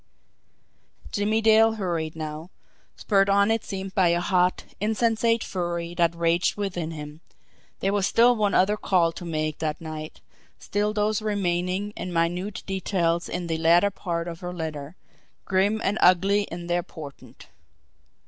Jimmie Dale hurried now, spurred on it seemed by a hot, insensate fury that raged within him there was still one other call to make that night still those remaining and minute details in the latter part of her letter, grim and ugly in their portent!